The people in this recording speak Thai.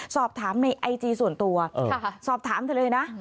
สอบถามในไอจีส่วนตัวสอบถามเธอเลยนะ